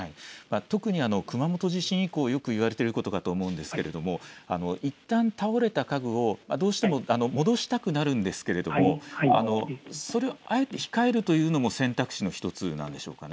特に熊本地震以降、よく言われていることだと思うんですけれどもいったん倒れた家具をどうしても戻したくなるんですけれども、それをあえて控えるというのも選択肢の１つなんでしょうか。